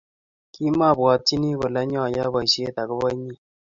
kimabwatyini kole anyayoe boishet agoba inye